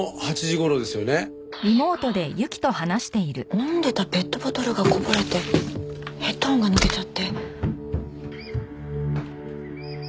飲んでたペットボトルがこぼれてヘッドホンが抜けちゃって。